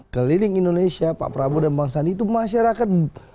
keliling indonesia pak prabowo dan bang sandi itu masyarakat